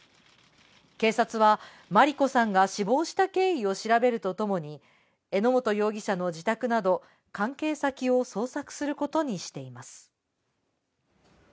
警察は萬里子さんが死亡した経緯を調べるとともに榎本容疑者の自宅など関係先を捜索することにしています。